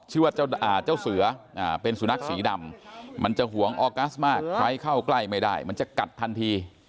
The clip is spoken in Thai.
ชื่อว่าเจ้าเสือเป็นสุนัขสีดำมันจะหวงออกัสมากใครเข้าใกล้ไม่ได้มันจะกัดทันที